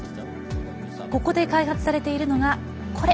ここで開発されているのがこれ。